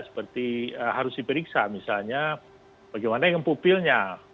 seperti harus diperiksa misalnya bagaimana dengan pupilnya